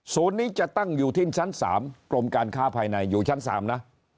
นี้จะตั้งอยู่ที่ชั้น๓กรมการค้าภายในอยู่ชั้น๓นะ